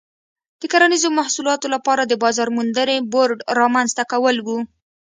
د کرنیزو محصولاتو لپاره د بازار موندنې بورډ رامنځته کول و.